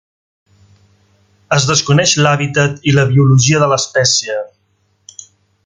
Es desconeix l'hàbitat i la biologia de l'espècie.